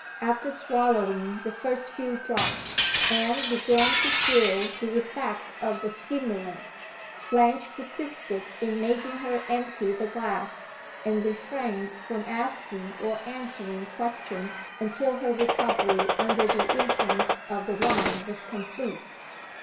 After swallowing the first few drops Anne begun to feel the effect of the stimulant. Blanche persisted in making her empty the glass, and refrained from asking or answering questions until her recovery under the influence of the wine was complete.